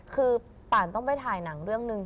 คือป่านต้องไปถ่ายหนังเรื่องหนึ่ง